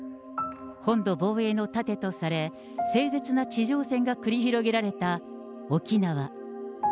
本土防衛の盾とされ、せいぜつな地上戦が繰り広げられた沖縄。